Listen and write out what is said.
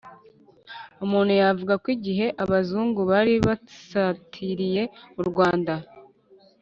Umuntu yavuga ko igihe Abazungu bari basatiriye u Rwanda